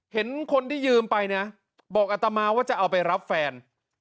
เห็นคนที่ยืมไปนะบอกอัตมาว่าจะเอาไปรับแฟน